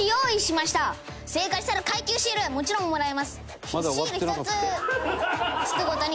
正解したら階級シールもちろんもらえます。